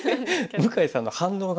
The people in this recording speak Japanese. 向井さんの反応が「わあ！」